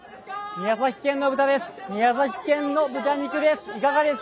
宮崎県の豚肉です。